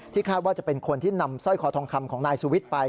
คาดว่าจะเป็นคนที่นำสร้อยคอทองคำของนายสุวิทย์ไป